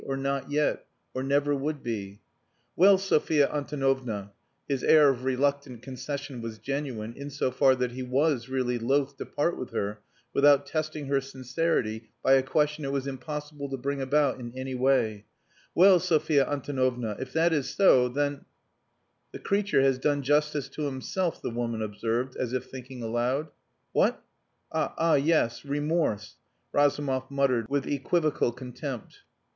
Or not yet? Or never would be? "Well, Sophia Antonovna," his air of reluctant concession was genuine in so far that he was really loath to part with her without testing her sincerity by a question it was impossible to bring about in any way; "well, Sophia Antonovna, if that is so, then " "The creature has done justice to himself," the woman observed, as if thinking aloud. "What? Ah yes! Remorse," Razumov muttered, with equivocal contempt.